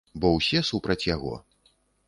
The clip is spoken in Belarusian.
Бо ўсе супраць яго.